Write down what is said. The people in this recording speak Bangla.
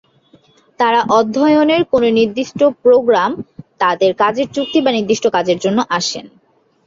তারা অধ্যয়নের কোনও নির্দিষ্ট প্রোগ্রাম, তাদের কাজের চুক্তি বা নির্দিষ্ট কাজের জন্য আসেন।